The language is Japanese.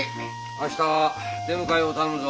明日出迎えを頼むぞ。